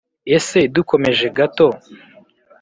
ese dukomeje gato,